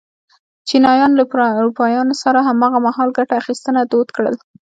چینایانو له اروپایانو سره هماغه مهال ګته اخیستنه دود کړل.